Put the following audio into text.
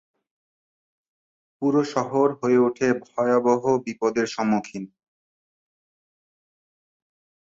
পুরো শহর হয়ে ওঠে ভয়াবহ বিপদের সম্মুখীন।